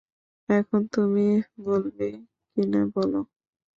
এখন তুমি বলবে কিনা বলো?